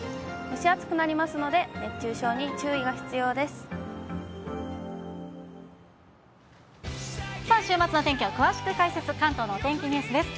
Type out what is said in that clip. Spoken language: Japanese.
蒸し暑くなりますので、熱中症にさあ、週末の天気を詳しく解説、関東のお天気ニュースです。